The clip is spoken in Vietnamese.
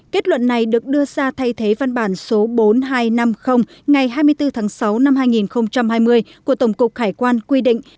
kết luận này được đưa ra thay thế văn bản số bốn nghìn hai trăm năm mươi ngày hai mươi bốn tháng sáu năm hai nghìn hai mươi của tổng cục hải quan quy định